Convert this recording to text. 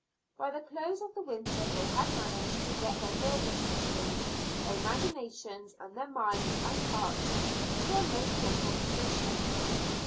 By the close of the winter they had managed to get their nervous systems, their imaginations, and their minds and hearts, into a most dreadful condition.